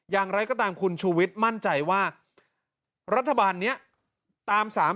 อย่างไรก็ตามคุณชูวิทย์มั่นใจว่ารัฐบาลนี้ตาม๓๐